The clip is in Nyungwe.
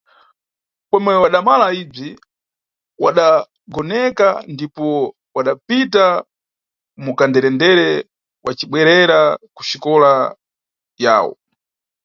Pomwe wadamala ibzi, wadagonekana ndipo wadapita mukanderendere wacibwerera kuxikola yawo.